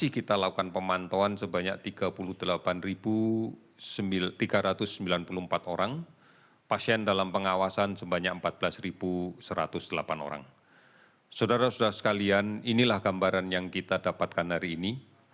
ini adalah gambaran yang kita dapatkan hari ini